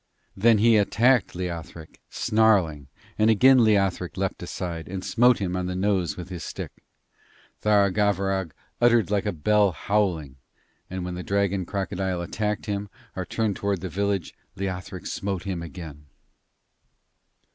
Then he attacked Leothric, snarling, and again Leothric leapt aside, and smote him on the nose with his stick. Tharagavverug uttered like a bell howling. And whenever the dragon crocodile attacked him, or turned towards the village, Leothric smote him again.